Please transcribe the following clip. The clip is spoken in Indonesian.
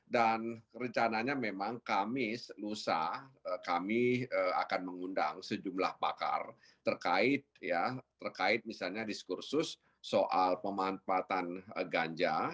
dan rencananya memang kamis lusa kami akan mengundang sejumlah pakar terkait misalnya diskursus soal pemanfaatan ganja